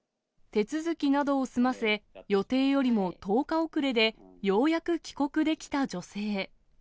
手続きなどを済ませ、予定よりも１０日遅れでようやく帰国できた女性。